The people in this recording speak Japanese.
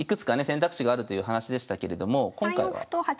選択肢があるという話でしたけれども今回は。